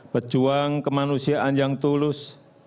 berjuang kemanusiaan yang tulus